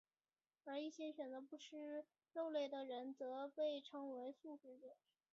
而一些选择不吃肉类的人则被称为素食者。